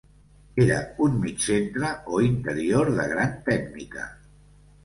Era un mig centre o interior de gran tècnica.